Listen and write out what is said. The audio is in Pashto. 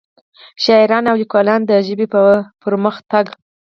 شاعران او ليکوال دَ ژبې پۀ پرمخ تګ